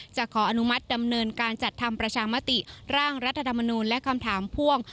ขออนุมัติดำเนินการจัดทำประชามติร่างรัฐธรรมนูลและคำถามพ่วง